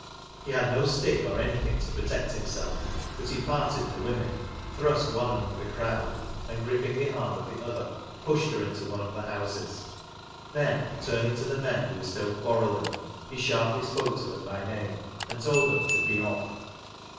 He had no stick or anything to protect himself, but he parted the woman, thrust one among the crowd, and gripping the arm of the other, pushed her into one of the houses. Then, turning to the men who were still quarrelling, he sharply spoke to them by name and told them to " be off."